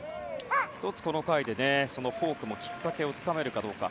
１つ、この回でフォークもきっかけをつかめるかどうか。